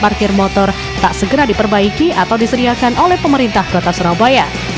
parkir motor tak segera diperbaiki atau disediakan oleh pemerintah kota surabaya